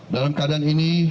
dalam keadaan ini